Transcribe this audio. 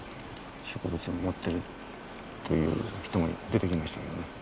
植物は持ってるっていう人も出てきましたよね。